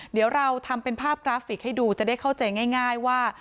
เดี๋ยวเราทำเป็นภาพกราฟิกให้ดูจะได้เข้าใจง่ายว่า